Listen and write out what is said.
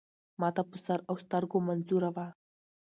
ما ته په سر اوسترګو منظور وه .